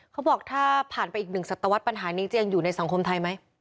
เขาบอกถ้าผ่านไปอีกหนึ่งศัตวรรษปัญหานี้จะยังอยู่ในสังคมไทยไหม